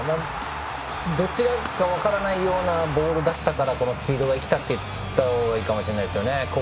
どちらか分からないようなボールだったからこそこのスピードが生きたと言ったほうがいいかもしれないですね。